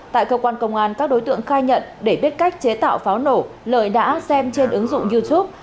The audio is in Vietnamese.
tại cơ quan công an các đối tượng khai nhận để biết cách chế tạo pháo nổ lợi đã xem trên ứng dụng youtube